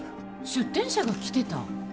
出店者が来てた？